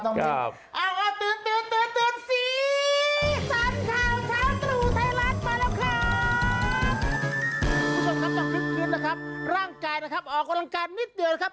คุณผู้ชมครับต้องคึกคืนนะครับร่างกายนะครับออกกำลังกายนิดเดียวครับ